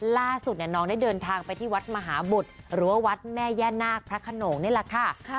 ล่าสุดน้องได้เดินทางไปที่วัดมหาบุตรหรือว่าวัดแม่ย่านาคพระขนงนี่แหละค่ะ